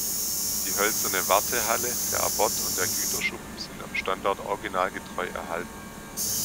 Die hölzerne Wartehalle, der Abort und der Güterschuppen sind am Standort originalgetreu erhalten.